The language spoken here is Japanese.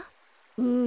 うん。